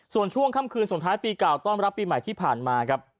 ส่วนช่วงค่ำคืนส่งท้ายปีเก่าต้อนรับปีใหม่ที่ผ่านมาครับ